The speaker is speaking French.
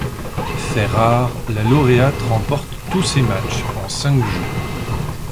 Fait rare, la lauréate remporte tous ses matchs en cinq jeux.